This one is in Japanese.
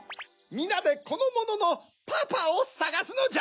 みなでこのもののパパをさがすのじゃ！